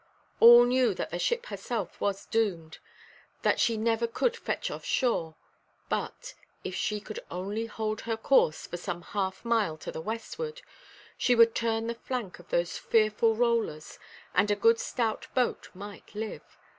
All knew that the ship herself was doomed, that she never could fetch off shore; but, if she could only hold her course for some half–mile to the westward, she would turn the flank of those fearful rollers, and a good stout boat might live.